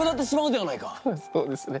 そうですね。